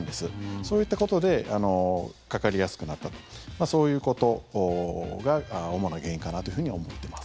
そういったことでかかりやすくなったとそういうことが主な原因かなというふうに思ってます。